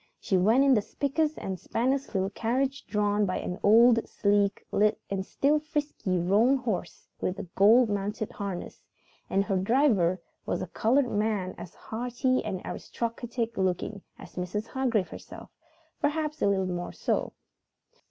She went in the spickest and spannest little carriage drawn by an old, sleek and still frisky roan horse with a gold mounted harness and her driver was a colored man as haughty and aristocratic looking as Mrs. Hargrave herself; perhaps a little more so.